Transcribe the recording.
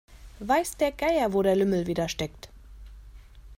Weiß der Geier, wo der Lümmel wieder steckt.